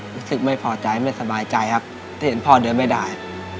รู้สึกไม่พอใจไม่สบายใจครับที่เห็นพ่อเดินไม่ได้